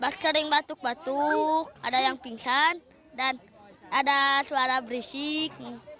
sering batuk batuk ada yang pingsan dan ada suara berisik